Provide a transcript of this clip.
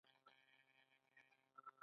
ټپ چې نه پېژندل شي، ژورېږي.